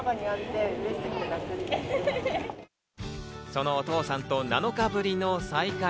そのお父さんと７日ぶりの再会。